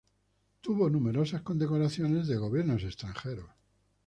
Tuvo numerosas condecoraciones de gobiernos extranjeros.